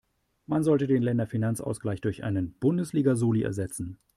Man sollte den Länderfinanzausgleich durch einen Bundesliga-Soli ersetzen.